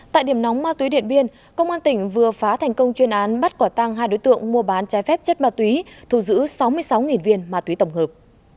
tại điểm nóng ma túy điện biên công an tỉnh vừa phá thành công chuyên án bắt quả tăng hai đối tượng mua bán trái phép chất ma túy thù giữ sáu mươi sáu viên ma túy tổng hợp